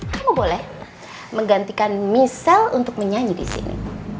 kamu boleh menggantikan michelle untuk menyanyi di sini